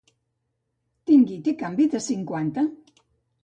Tingui, té canvi de cinquanta?